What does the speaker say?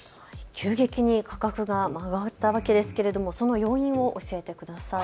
急激に価格が上がったわけですけれどもその要因を教えてください。